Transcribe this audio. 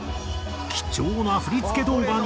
貴重な振り付け動画に。